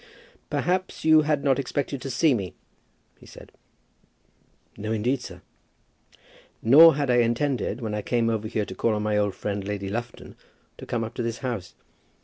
"Perhaps you had not expected to see me?" he said. "No, indeed, sir." "Nor had I intended when I came over here to call on my old friend, Lady Lufton, to come up to this house.